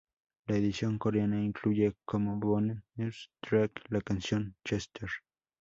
La edición coreana incluye como bonus track la canción "Chester".